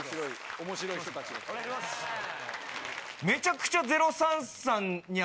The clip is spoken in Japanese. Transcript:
めちゃくちゃ。